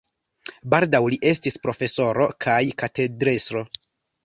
Baldaŭ li estis profesoro kaj katedrestro.